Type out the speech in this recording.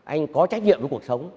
anh có trách nhiệm của cuộc sống